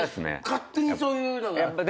勝手にそういうのがあって。